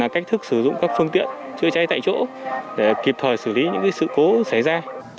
cách thức sử dụng các phương tiện chữa cháy tại chỗ để kịp thời xử lý những sự cố xảy ra